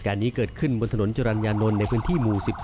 นี้เกิดขึ้นบนถนนจรรยานนท์ในพื้นที่หมู่๑๗